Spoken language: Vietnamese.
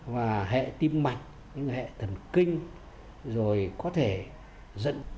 và hệ tim mạch những hệ thần kinh rồi có thể dẫn